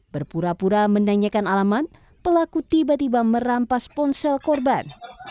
berpura pura menanyakan alamat pelaku tiba tiba merampas ponsel korban